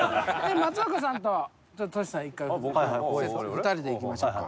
２人でいきましょうか。